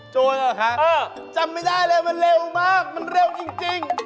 เหรอฮะจำไม่ได้เลยมันเร็วมากมันเร็วจริง